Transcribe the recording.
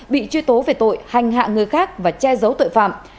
bị truy tố về tội hành hạ người khác và che giấu tội phạm